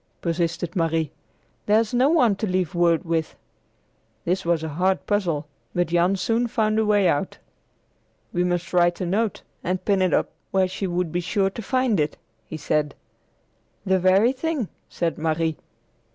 persisted Marie. "There's no one to leave word with!" This was a hard puzzle, but Jan soon found a way out. "We must write a note and pin it up where she would be sure to find it," he said. "The very thing," said Marie.